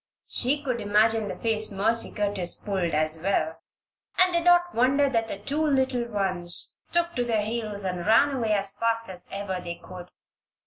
She could imagine the face Mercy Curtis "pulled," as well, and did not wonder that the two little ones took to their heels and ran away as fast as ever they could.